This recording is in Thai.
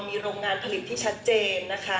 มีโรงงานผลิตที่ชัดเจนนะคะ